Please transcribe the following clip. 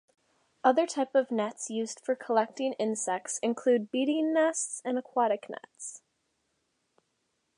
Other types of nets used for collecting insects include beating nets and aquatic nets.